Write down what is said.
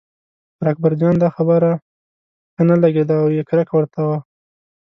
پر اکبرجان دا خبره ښه نه لګېده او یې کرکه ورته وه.